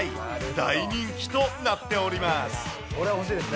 大人気となっております。